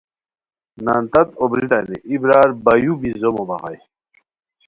نان تت اوبریتانی ای برار بایو بی زومو بغائے